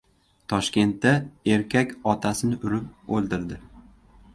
Toshkentda erkak otasini urib o‘ldirdi